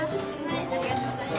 ありがとうございます。